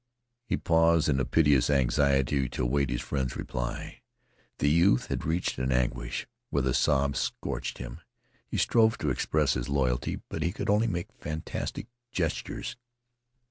He paused in piteous anxiety to await his friend's reply. The youth had reached an anguish where the sobs scorched him. He strove to express his loyalty, but he could only make fantastic gestures.